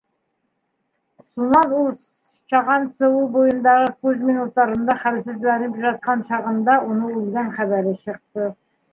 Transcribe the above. Сунан ул Чаған суы буйындағы Кузьмин утарында хәлсезләнеп жатҡан чағында уны үлгән хәбәре чыҡты.